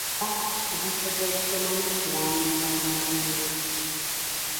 Abaana basomesebwa okusoma n'okuwandiika ku masomero.